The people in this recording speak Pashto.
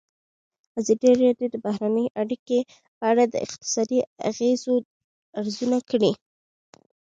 ازادي راډیو د بهرنۍ اړیکې په اړه د اقتصادي اغېزو ارزونه کړې.